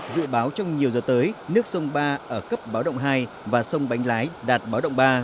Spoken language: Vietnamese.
dự báo trong nhiều giờ tới nước sông ba ở cấp báo động hai và sông bánh lái đạt báo động ba